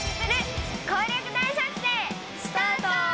スタート！